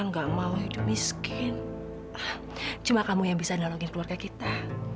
iya sayang saya tidak ingin hidup miskin cuma kamu yang bisa menyalurkan keluarga kita